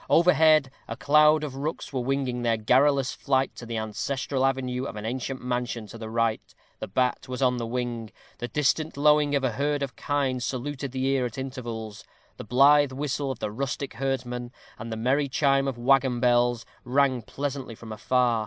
Overhead a cloud of rooks were winging their garrulous flight to the ancestral avenue of an ancient mansion to the right; the bat was on the wing; the distant lowing of a herd of kine saluted the ear at intervals; the blithe whistle of the rustic herdsman, and the merry chime of waggon bells, rang pleasantly from afar.